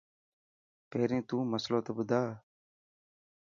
پهرين تو مصلو ته ٻڌا.